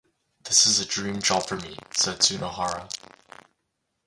"This is a dream job for me," said Sunohara.